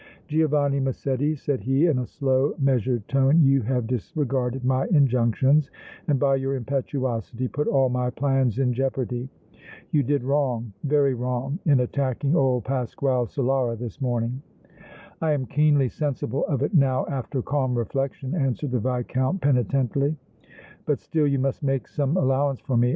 "Giovanni Massetti," said he, in a slow, measured tone, "you have disregarded my injunctions and by your impetuosity put all my plans in jeopardy! You did wrong, very wrong, in attacking old Pasquale Solara this morning!" "I am keenly sensible of it now, after calm reflection," answered the Viscount, penitently. "But still you must make some allowance for me.